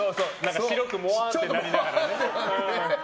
白く、もわんってなりながらね。